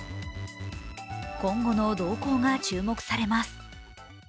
今後の動向が注目されます。